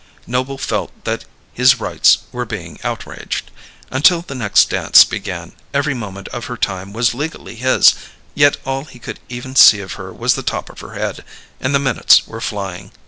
Noble felt that his rights were being outraged. Until the next dance began, every moment of her time was legally his yet all he could even see of her was the top of her head. And the minutes were flying.